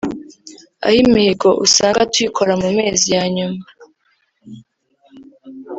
aho imihigo usanga tuyikora mu mezi ya nyuma